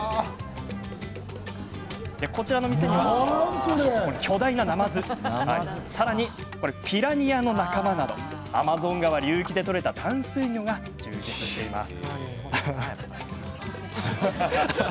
こちらの店には巨大ななまずやピラニアの仲間などアマゾン川流域で取れた淡水魚が充実しています。